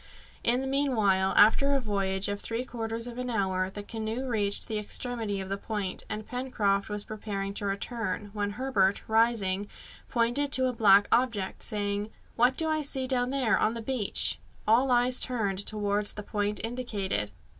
In the meanwhile, after a voyage of three quarters of an hour, the canoe reached the extremity of the point, and Pencroft was preparing to return, when Herbert, rising, pointed to a black object, saying, "What do I see down there on the beach?" All eyes turned towards the point indicated.